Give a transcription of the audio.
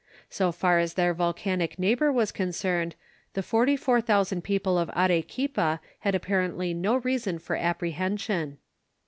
So far as their volcanic neighbor was concerned, the forty four thousand people of Arequipa had apparently no reason for apprehension.